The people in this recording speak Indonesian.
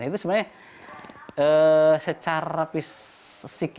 itu sebenarnya secara fisik